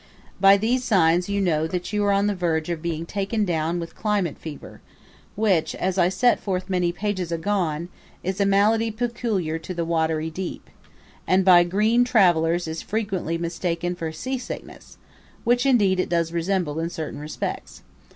By these signs you know that you are on the verge of being taken down with climate fever, which, as I set forth many pages agone, is a malady peculiar to the watery deep, and by green travelers is frequently mistaken for seasickness, which indeed it does resemble in certain respects.